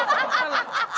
ハハハハ！